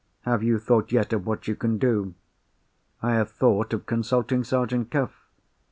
Have you thought yet of what you can do?" "I have thought of consulting Sergeant Cuff."